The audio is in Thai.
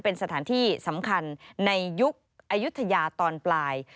เป็นสถานที่สำคัญในยุคอายุทยาตอนปลาย